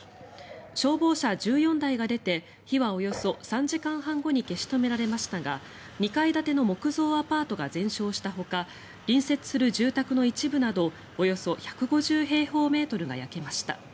消防車１４台が出て火はおよそ３時間半後に消し止められましたが２階建ての木造アパートが全焼したほか隣接する住宅の一部などおよそ１５０平方メートルが焼けました。